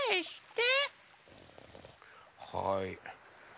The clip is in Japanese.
はい。